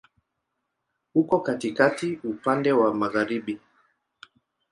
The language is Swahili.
Uko katikati, upande wa magharibi.